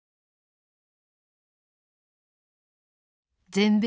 全米